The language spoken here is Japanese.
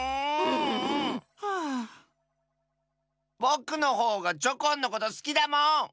ぼくのほうがチョコンのことすきだもん！